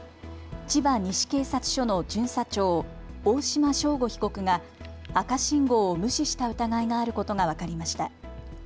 千葉西警察署の巡査長、大島将吾被告が赤信号を無視した疑いがあることが分かりました。